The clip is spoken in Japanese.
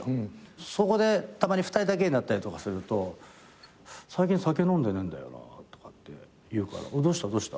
そこでたまに２人だけになったりとかすると「最近酒飲んでねえんだよな」とかって言うからどうした？